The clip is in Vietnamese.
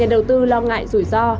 nhà đầu tư lo ngại rủi ro